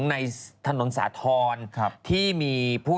สนับสนุนโดยดีที่สุดคือการให้ไม่สิ้นสุด